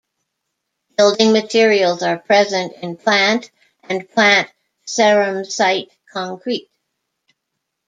Building materials are present in plant and plant ceramsite concrete.